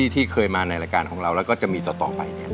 ที่เคยมาในรายการของเราแล้วก็จะมีต่อไป